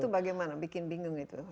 itu bagaimana bikin bingung itu